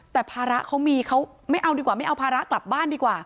แต่ภาระเขามีเขาไม่เอาดีกว่าไม่เอาภาระกลับบ้านดีกว่า